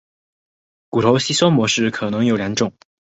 骨头吸收的模式可能有两种。